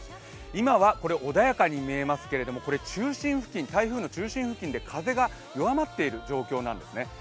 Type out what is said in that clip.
今は穏やかに見えますけど、台風の中心付近で風が弱まっている状況なんですね。